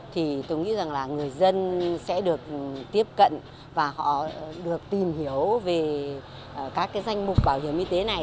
thì tôi nghĩ rằng là người dân sẽ được tiếp cận và họ được tìm hiểu về các cái danh mục bảo hiểm y tế này